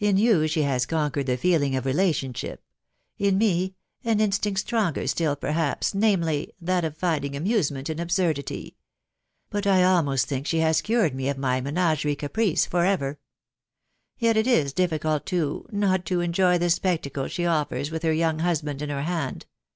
In yon ahe has conquered the feeling of relationship ; in me, an instinct stronger still perhaps, namely, that of finding amusement in Mb8urdity. But I almost tVuuk ata ta& cured me of my me "ttgerie caprice for ever. Yet it \*&&<*&, to*, «*> wfcsf THE WIDOW BARNABT. 491 the spectacle she offers with her young husband in her hand.